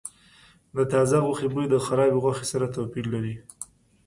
د تازه غوښې بوی د خرابې غوښې سره توپیر لري.